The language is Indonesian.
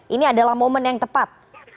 ini adalah momen yang tepat